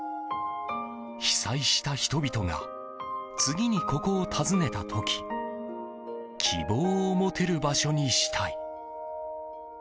被災した人々が次にここを訪ねた時希望を持てる場所にしたい。